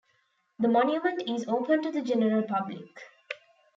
The monument is open to the general public.